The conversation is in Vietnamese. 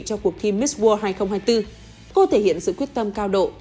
cho cuộc thi miss world hai nghìn hai mươi bốn cô thể hiện sự quyết tâm cao độ